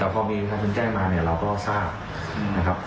แต่พอชาวชูนแจ้มมาเราก็รอทราบ